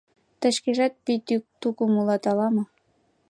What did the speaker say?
Тый шкежат пий тукым улат ала-мо?..